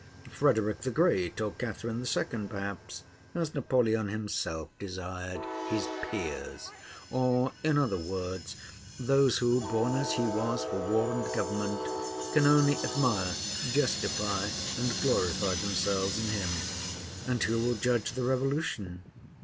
Frederick the Great, or Catherine II., perhaps, as Napoleon himself desired, "his peers"; or in other words, those who, born as he was for war and government, can only admire, justify, and glorify themselves in him. And who will judge the Revolution?